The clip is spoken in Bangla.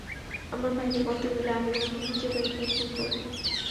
আমার ভাইকে কষ্ট দিলে, আমি তোমাকে খুঁজে বের করে খুন করব।